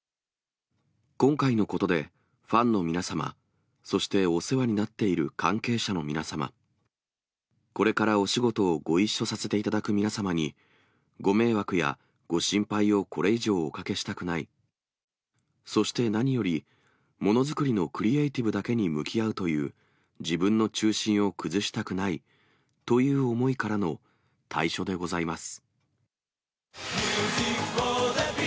今回のことで、ファンの皆様、そしてお世話になっている関係者の皆様、これからお仕事をご一緒させていただく皆様に、ご迷惑やご心配をこれ以上おかけしたくない、そして何より、ものづくりのクリエーティブだけに向き合うという、自分の中心を崩したくない、という思いからの退所でございます。